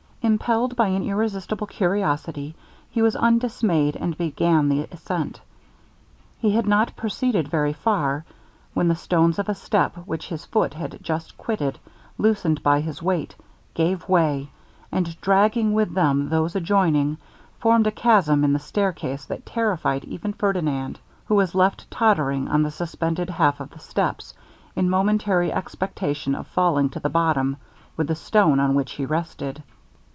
Impelled by an irresistible curiosity, he was undismayed, and began the ascent. He had not proceeded very far, when the stones of a step which his foot had just quitted, loosened by his weight, gave way; and dragging with them those adjoining, formed a chasm in the stair case that terrified even Ferdinand, who was left tottering on the suspended half of the steps, in momentary expectation of falling to the bottom with the stone on which he rested.